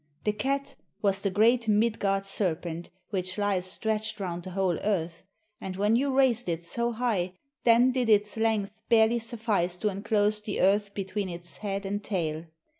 The cat was the great Midgard serpent which lies stretched round the whole earth, and when you raised it so high then did its length barely suffice to enclose the earth between its head and tail.